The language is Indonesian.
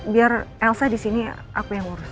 biar elsa disini aku yang urus